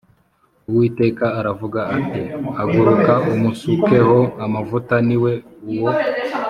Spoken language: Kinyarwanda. Uwiteka aravuga ati “Haguruka umusukeho amavuta, ni we uwo.”